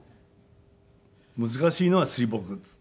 難しいのは水墨です。